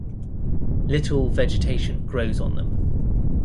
Little vegetation grows on them.